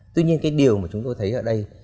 tuy nhiên cái điều mà chúng tôi thấy ở đây